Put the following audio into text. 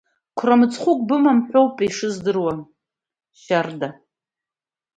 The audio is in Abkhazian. Қәра мыцхәык бымам ҳәа аупеи ишыздыруа, Шьарда.